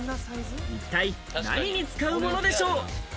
一体何に使うものでしょう？